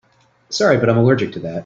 Sorry but I'm allergic to that.